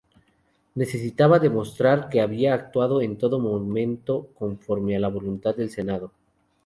Necesitaba demostrar que había actuado en todo momento conforme a la voluntad del Senado.